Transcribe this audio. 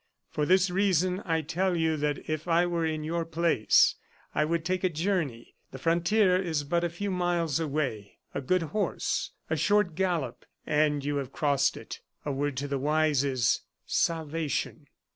For this reason I tell you that if I were in your place I would take a journey. The frontier is but a few miles away; a good horse, a short gallop, and you have crossed it. A word to the wise is salvation!"